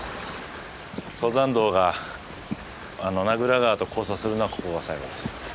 登山道が名蔵川と交差するのはここが最後です。